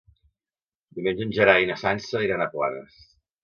Diumenge en Gerai i na Sança iran a Planes.